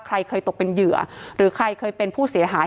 ใครเคยตกเป็นเหยื่อหรือใครเคยเป็นผู้เสียหาย